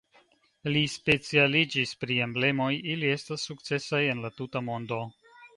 Li specialiĝis pri emblemoj, ili estas sukcesaj en la tuta mondo.